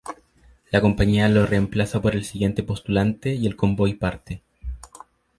La compañía lo reemplaza por el siguiente postulante, y el convoy parte.